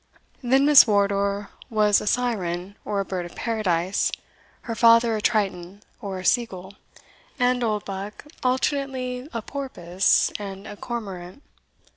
Then Miss Wardour was a syren, or a bird of Paradise; her father a triton, or a sea gull; and Oldbuck alternately a porpoise and a cormorant.